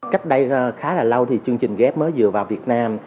cách đây khá là lâu thì chương trình ghép mới dựa vào việt nam